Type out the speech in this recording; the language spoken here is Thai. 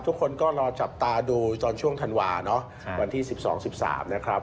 ทุกคนก็รอจับตาดูตอนช่วงธันวาเนาะวันที่๑๒๑๓นะครับ